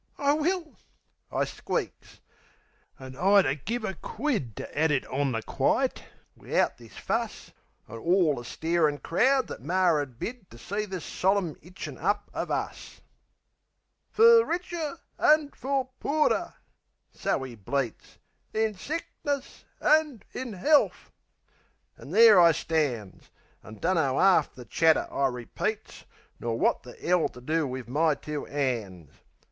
"I will," I squeaks. An' I'd 'a' give a quid To 'ad it on the quite, wivout this fuss, An' orl the starin' crowd that Mar 'ad bid To see this solim hitchin' up of us. "Fer rich er er fer por er." So 'e bleats. "In sick ness an' in ealth,"...An' there I stands, An' dunno'arf the chatter I repeats, Nor wot the 'ell to do wiv my two 'ands.